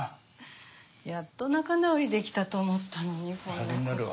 やっと仲直りできたと思ったのにこんなことに。